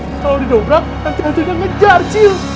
kalau didobrak nanti hantunya ngejar jil